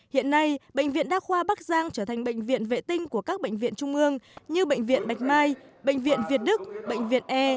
hiện nay bệnh viện đa khoa bắc giang trở thành bệnh viện vệ tinh của các bệnh viện trung ương như bệnh viện bạch mai bệnh viện việt đức bệnh viện e